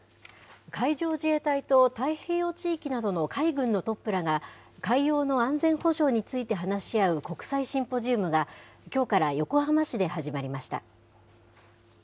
海上自衛隊と太平洋地域などの海軍のトップらが、海洋の安全保障について話し合う国際シンポジウムが、きょうから横浜市で始まりました。